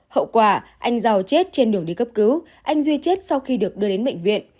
hậu quả anh giàu chết trên đường đi cấp cứu anh duy chết sau khi được đưa đến bệnh viện